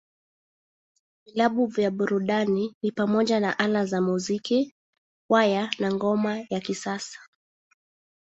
Vilabu vya burudani ni pamoja na Ala za Muziki, Kwaya, na Ngoma ya Kisasa.